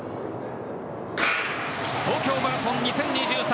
東京マラソン２０２３。